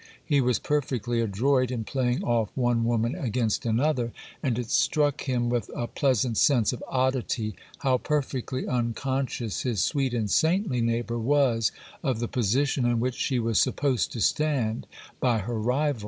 He was perfectly adroit in playing off one woman against another, and it struck him with a pleasant sense of oddity, how perfectly unconscious his sweet and saintly neighbour was of the position in which she was supposed to stand by her rival.